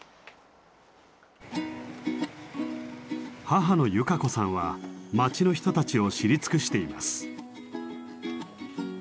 母の有佳子さんは町の人たちを知り尽くしています。